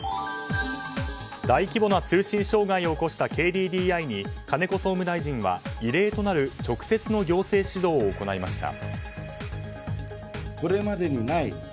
大規模な通信障害を起こしたＫＤＤＩに金子総務大臣は、異例となる直接の行政指導を行いました。